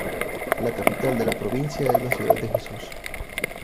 La capital de la provincia es la ciudad de Jesús.